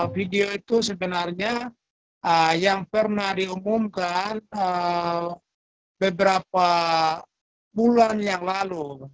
video itu sebenarnya yang pernah diumumkan beberapa bulan yang lalu